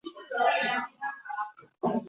安佐郡是过去位于广岛县西部的一郡。